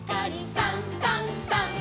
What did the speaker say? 「さんさんさん」